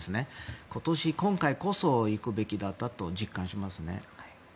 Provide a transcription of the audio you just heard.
今年、今回こそ行くべきだったと実感しますね。